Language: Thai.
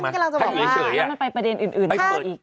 ใช่มันกำลังจะบอกว่าถ้าอยู่เฉยนั่นมันไปประเด็นอื่นไปเปิดอีก